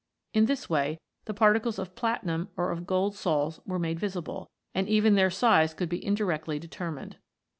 In this way the particles of platinum or of gold sols were made visible, and even their size could be indirectly determined.